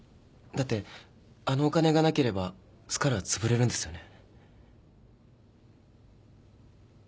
だってあのお金がなければスカルはつぶれるんですよね？